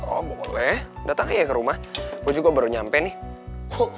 oh boleh datang aja ya ke rumah gue juga baru nyampe nih